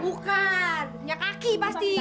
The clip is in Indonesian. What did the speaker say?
bukan punya kaki pasti